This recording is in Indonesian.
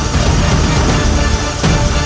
siapa itu papa